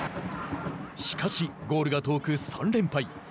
しかし、ゴールが遠く３連敗。